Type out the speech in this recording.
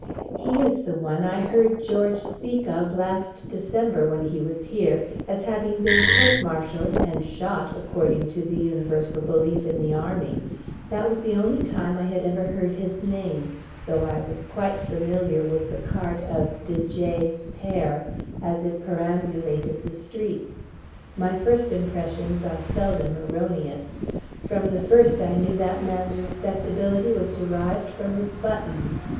He is the one I heard George speak of last December when he was here, as having been court martialed, and shot, according to the universal belief in the army; that was the only time I had ever heard his name, though I was quite familiar with the cart of De J père, as it perambulated the streets. My first impressions are seldom erroneous. From the first, I knew that man's respectability was derived from his buttons.